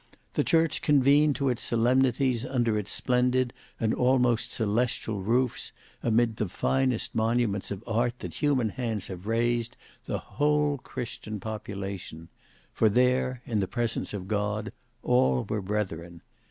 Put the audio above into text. The church convened to its solemnities under its splendid and almost celestial roofs amid the finest monuments of art that human hands have raised, the whole Christian population; for there, in the presence of God, all were brethren.